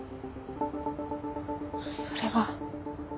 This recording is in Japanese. それは。